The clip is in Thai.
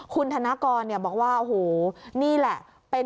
คุณธนกรบอกว่าโอ้โหนี่แหละเป็น